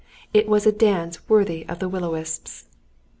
It was a dance worthy of will o' the wisps.